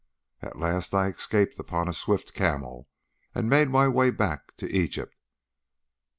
At last I escaped upon a swift camel, and made my way back to Egypt.